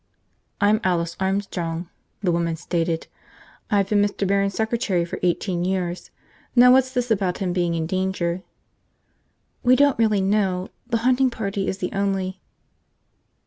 "I'm Alice Armstrong," the woman stated. "I've been Mr. Barron's secretary for eighteen years. Now what's this about him being in danger?" "We don't really know. The hunting party is the only